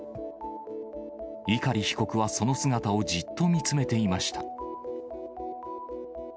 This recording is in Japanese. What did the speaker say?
碇被告はその姿をじっと見つめていました。